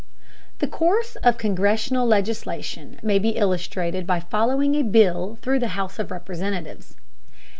The course of congressional legislation may be illustrated by following a bill through the House of Representatives.